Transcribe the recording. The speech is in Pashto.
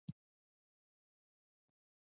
نسل په نسل غوښین او ارام شول.